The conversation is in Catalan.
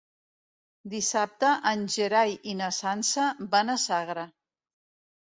Dissabte en Gerai i na Sança van a Sagra.